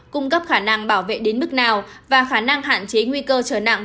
cung cấp khả năng bảo vệ đến mức nào và khả năng hạn chế nguy cơ trở nặng